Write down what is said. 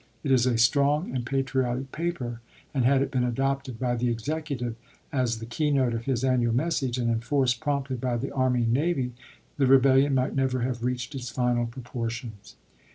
It is a strong and patriotic paper, and had it been adopted by the Executive as the key note of his annual message, and enforced promptly by the army and navy, the rebellion might never have reached its final proportions.